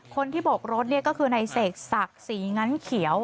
คนที่โบกรถก็คือในเสกศักดิ์ศรีงั้นเขียว